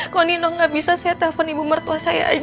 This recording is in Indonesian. kok nino nggak bisa saya telepon ibu mertua saya aja